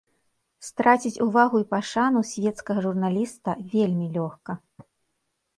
Страціць увагу і пашану свецкага журналіста вельмі лёгка.